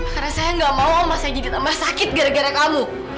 karena saya gak mau oma saya jadi tambah sakit gara gara kamu